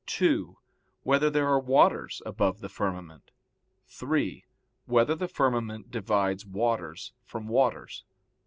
(2) Whether there are waters above the firmament? (3) Whether the firmament divides waters from waters?